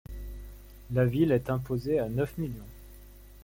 La ville est imposée à neuf millions.